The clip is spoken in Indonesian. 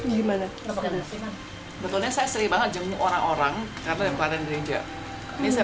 gimana betulnya saya sering banget jenguk orang orang karena yang paling gereja ini saya